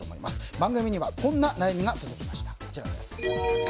番組にはこんな悩みが届ています。